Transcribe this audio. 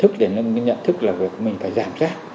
cái nhận thức là mình phải giảm sát